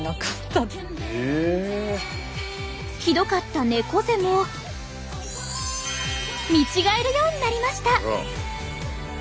ひどかった猫背も見違えるようになりました！